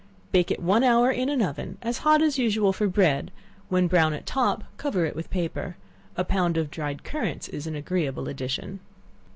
Bake it one hour in an oven, as hot as is usual for bread; when brown at the top, cover it with paper. A pound of dried currants is an agreeable addition.